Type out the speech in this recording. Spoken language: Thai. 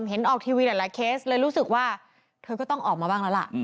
ออกทีวีหลายเคสเลยรู้สึกว่าเธอก็ต้องออกมาบ้างแล้วล่ะ